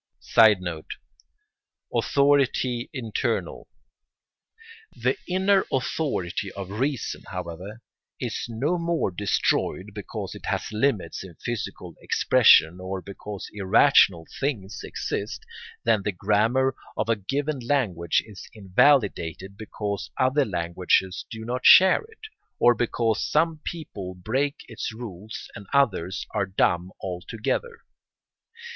[Sidenote: Authority internal.] The inner authority of reason, however, is no more destroyed because it has limits in physical expression or because irrational things exist, than the grammar of a given language is invalidated because other languages do not share it, or because some people break its rules and others are dumb altogether.